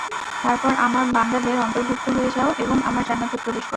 তারপর আমার বান্দাদের অন্তর্ভুক্ত হয়ে যাও এবং আমার জান্নাতে প্রবেশ কর।